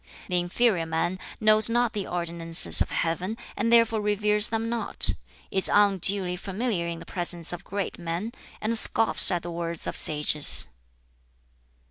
The inferior man knows not the ordinances of Heaven and therefore reveres them not, is unduly familiar in the presence of great men, and scoffs at the words of sages."